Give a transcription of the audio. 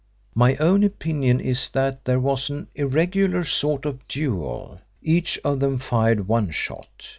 My own opinion is that there was an irregular sort of duel. Each of them fired one shot.